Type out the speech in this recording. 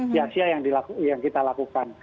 sia sia yang kita lakukan